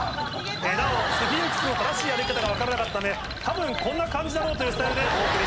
なおスフィンクスの正しい歩き方が分からなかったので多分こんな感じだろうというスタイルでお送りしております。